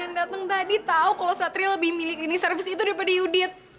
yang dateng tadi tau kalau satria lebih milik lini servis itu daripada yudit